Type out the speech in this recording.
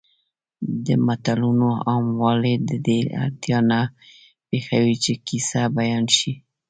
د متلونو عاموالی د دې اړتیا نه پېښوي چې کیسه بیان شي